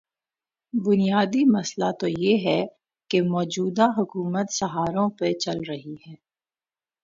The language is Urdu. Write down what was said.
بنیادی مسئلہ تو یہ ہے کہ موجودہ حکومت سہاروں پہ چل رہی ہے۔